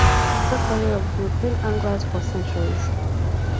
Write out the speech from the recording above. The brown trout has been a popular quarry of European anglers for centuries.